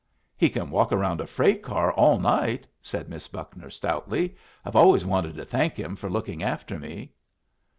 "He can walk round a freight car all night," said Miss Buckner, stoutly. "I've always wanted to thank him for looking after me."